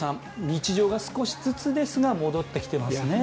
日常が少しずつですが戻ってきていますね。